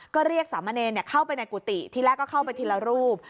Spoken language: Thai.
ก็เรียกสามเณรเข้าไปในกุฏิที่แรกก็เข้าไปทีละรูป